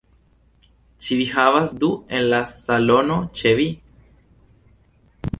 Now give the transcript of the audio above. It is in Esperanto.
Ĉu vi havas du en la salono ĉe vi?